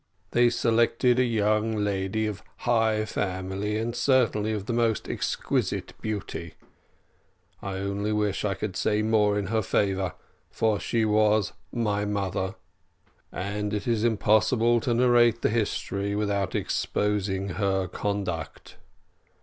They selected a young lady of high family, and certainly of most exquisite beauty. I only wish I could say more in her favour, for she was my mother; but it is impossible to narrate the history without exposing her conduct.